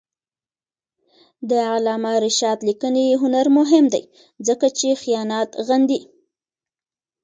د علامه رشاد لیکنی هنر مهم دی ځکه چې خیانت غندي.